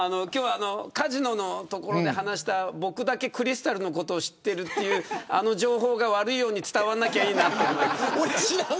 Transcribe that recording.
カジノのところで話した僕だけクリスタルのことを知っているというあの情報が悪いように伝わらなければいいなと。